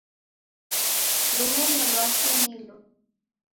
Lumenyo lwake nilo